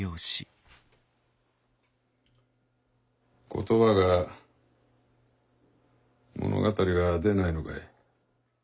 言葉が物語が出ないのかい。